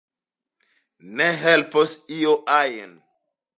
Ne helpos io ajn.